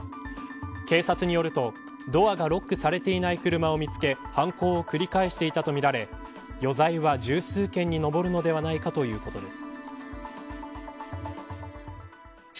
警察によるとドアがロックされていない車を見つけ犯行を繰り返していたとみられ余罪は１０数件に上るのではないかということです。